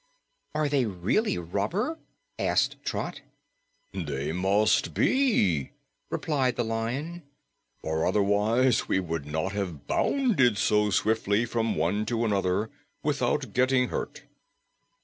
"Are they really rubber?" asked Trot. "They must be," replied the Lion, "for otherwise we would not have bounded so swiftly from one to another without getting hurt."